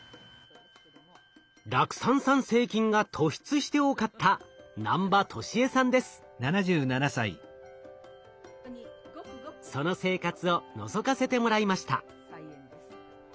酪酸産生菌が突出して多かったその生活をのぞかせてもらいました。